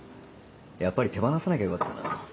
やっぱり手放さなきゃよかったな。